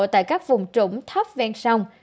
tại các vùng trũng thấp ven sông